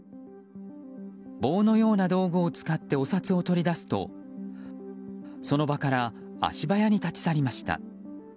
棒のような道具を使ってお札を取り出すとその場から足早に立ち去りました。